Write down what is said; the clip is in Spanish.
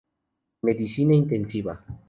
Medicina intensiva